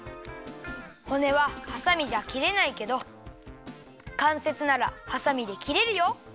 骨ははさみじゃきれないけどかんせつならはさみできれるよ！